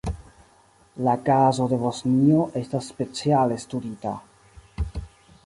La kazo de Bosnio estas speciale studita.